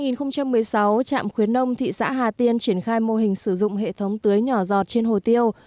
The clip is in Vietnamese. năm hai nghìn một mươi sáu trạm khuyến nông thị xã hà tiên triển khai mô hình sử dụng hệ thống tưới nhỏ giọt trên hồ tiêu